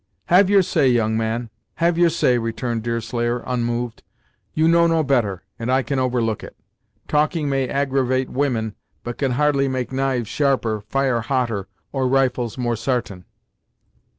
"Have your say, young man; have your say," returned Deerslayer, unmoved; "you know no better, and I can overlook it. Talking may aggravate women, but can hardly make knives sharper, fire hotter, or rifles more sartain."